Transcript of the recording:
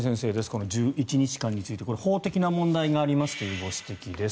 この１１日間についてこれ、法的な問題がありますとのご指摘です。